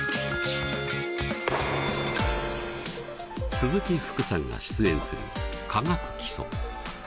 鈴木福さんが出演する「化学基礎」。